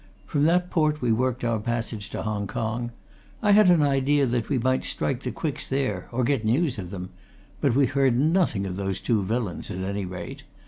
From that port we worked our passage to Hong Kong: I had an idea that we might strike the Quicks there, or get news of them. But we heard nothing of those two villains, at any rate.